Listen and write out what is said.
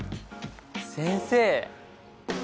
先生！